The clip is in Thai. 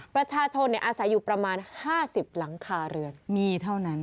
และชาชนอาศัยอยู่ประมาณ๕๐หลังคาเรือน